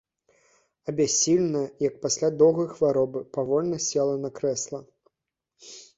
Абяссіленая, як пасля доўгай хваробы, павольна села на крэсла.